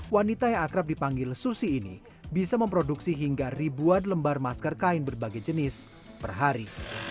wanita yang akrab dipanggil susi ini bisa memproduksi hingga ribuan lembar masker kain berbagai jenis per hari